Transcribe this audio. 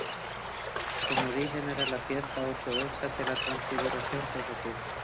En origen era la fiesta ortodoxa de la Transfiguración de Jesús.